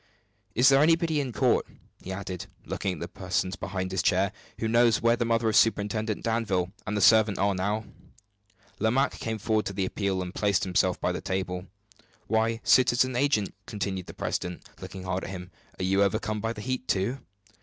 "Is there anybody in court," he added, looking at the persons behind his chair, "who knows where the mother of Superintendent Danville and the servant are now?" Lomaque came forward at the appeal, and placed himself by the table. "Why, citizen agent!" continued the president, looking hard at him, "are you overcome by the heat, too?"